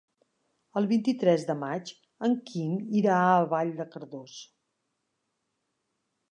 El vint-i-tres de maig en Quim irà a Vall de Cardós.